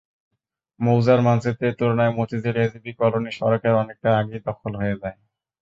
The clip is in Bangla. মৌজার মানচিত্রের তুলনায় মতিঝিল এজিবি কলোনি সড়কের অনেকটা আগেই দখল হয়ে যায়।